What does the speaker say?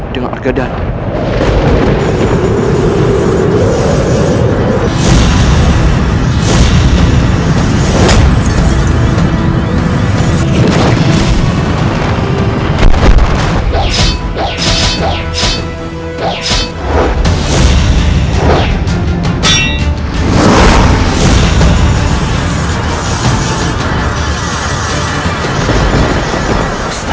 semoga allah selalu melindungi kita